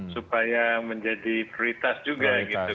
supaya menjadi prioritas juga